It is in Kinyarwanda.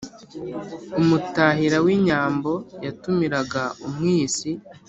umutahira w’inyambo yatumiraga umwisi,